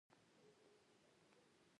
افغانستان د ښارونو په برخه کې کار کوي.